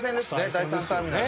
第３ターミナル。